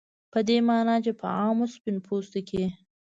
په دې معنا چې په عامو سپین پوستو کې